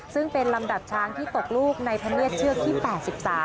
ซึ่งเป็นลำดับช้างที่ตกลูกในพระเนียดเชือกที่๘๓